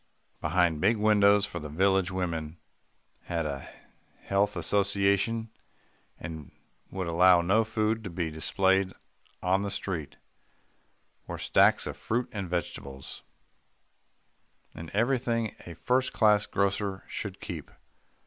Behind big windows for the village women had a health association and would allow no food to be displayed on the street were stacks of fruit and vegetables, and everything a first class grocer should keep.